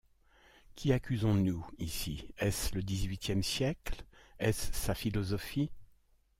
Qui accusons-nous ici? est-ce le dix-huitième siècle ? est-ce sa philosophie ?